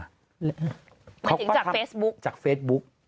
เขาก็ทำจากเฟซบุ๊กจากเฟซบุ๊ก